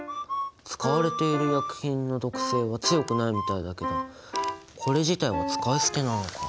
使われている薬品の毒性は強くないみたいだけどこれ自体は使い捨てなのか。